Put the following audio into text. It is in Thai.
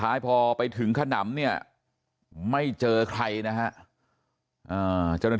และก็คือว่าถึงแม้วันนี้จะพบรอยเท้าเสียแป้งจริงไหม